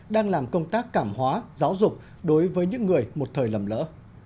đang làm công tác cảm hóa giáo dục đối với những người một thời lầm lỡ